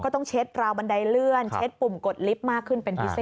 ต้องเช็ดราวบันไดเลื่อนเช็ดปุ่มกดลิฟต์มากขึ้นเป็นพิเศษ